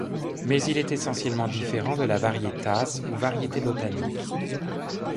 Mais il est essentiellement différent de la varietas ou variété botanique.